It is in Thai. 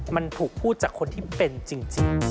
มันถูกพูดจากคนที่เป็นจริง